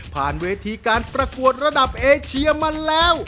เวทีการประกวดระดับเอเชียมาแล้ว